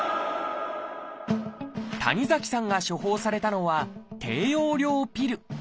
谷崎さんが処方されたのは「低用量ピル」。